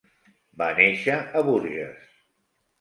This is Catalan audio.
Va néixer a Bourges.